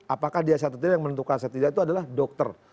apakah dia yang menentukan setidaknya itu adalah dokter